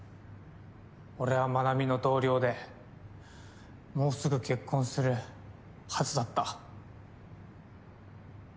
俺は真奈美の同僚でもうすぐ結婚するはずだった。